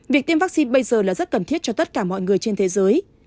việc tiêm vaccine bây giờ là rất cần thiết cho tất cả mọi người trên thế giới